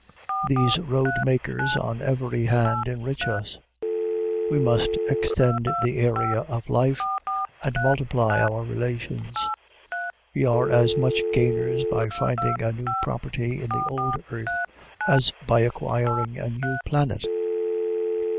These road makers on every hand enrich us. We must extend the area of life, and multiply our relations. We are as much gainers by finding a new property in the old earth as by acquiring a new planet.